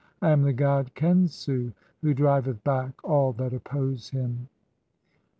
I am the god Khensu, "who driveth back all that oppose him."